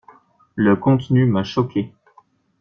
Le contenu m'a choqué.